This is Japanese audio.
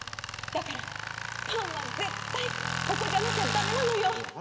だからパンは絶対ここじゃなきゃダメなのよ！